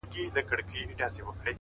هره تجربه د فکر پراخوالی زیاتوي.!